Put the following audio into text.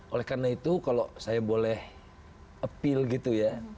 oleh karena itu kalau saya boleh appeal gitu ya